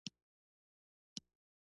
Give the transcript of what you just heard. باغ ته اوبه راواړوه